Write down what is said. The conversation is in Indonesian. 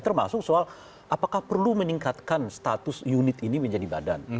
termasuk soal apakah perlu meningkatkan status unit ini menjadi badan